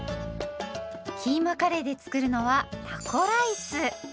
キーマカレーで作るのはタコライス。